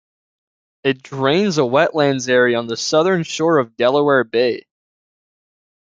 It drains a wetlands area on the southern shore of Delaware Bay.